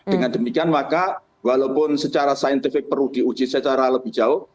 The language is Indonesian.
dengan demikian maka walaupun secara saintifik perlu diuji secara lebih jauh